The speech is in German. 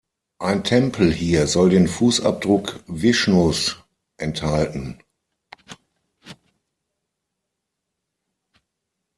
Ein Tempel hier soll den Fußabdruck Vishnus enthalten.